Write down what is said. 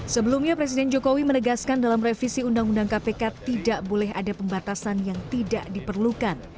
sebelumnya presiden jokowi menegaskan dalam revisi undang undang kpk tidak boleh ada pembatasan yang tidak diperlukan